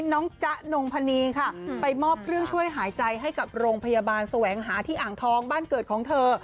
จ๊ะนงพนีค่ะไปมอบเครื่องช่วยหายใจให้กับโรงพยาบาลแสวงหาที่อ่างทองบ้านเกิดของเธอ